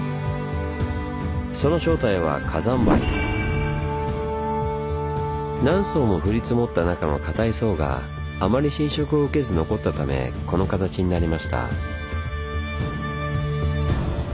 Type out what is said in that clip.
その正体は何層も降り積もった中の硬い層があまり侵食を受けず残ったためこの形になりました。